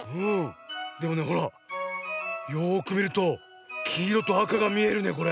でもねほらよくみるときいろとあかがみえるねこれ。